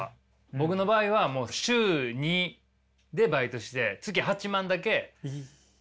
僕の場合はもう週２でバイトして月８万だけ稼ぐっていう。